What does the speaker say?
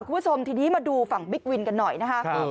คุณผู้ชมทีนี้มาดูฝั่งบิ๊กวินกันหน่อยนะคะ